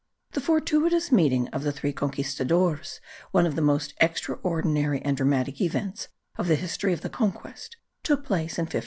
The fortuitous meeting of the three conquistadores, one of the most extraordinary and dramatic events of the history of the conquest, took place in 1538.